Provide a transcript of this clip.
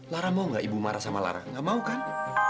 lara mau gak ibu marah sama lara gak mau kan